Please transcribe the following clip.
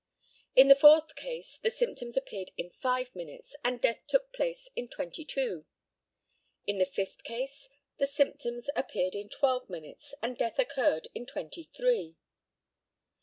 In the fourth case the symptoms appeared in five minutes, and death took place in twenty two. In the fifth case the symptoms appeared in twelve minutes, and death occurred in twenty three.